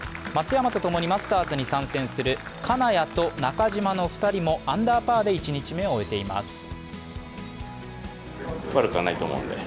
松山と共にマスターズに参戦する金谷と中島の２人もアンダーパーで１日目を終えています。